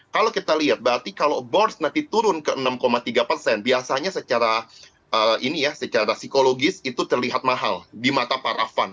kalau kita lihat berarti kalau bonds nanti turun ke enam tiga biasanya secara psikologis itu terlihat mahal di mata para fund